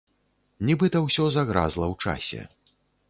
Нібыта ўсё загразла ў часе.